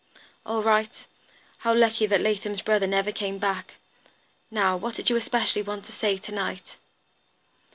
"All right. How lucky that Latham's brother never came back. Now, what did you especially want to say to night?"